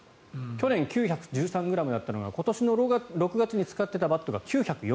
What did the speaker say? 去年、９１３ｇだったのが今年の６月に使っていたバットが９０４ｇ。